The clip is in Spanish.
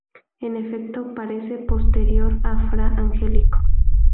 En efecto, parece posterior a Fra Angelico.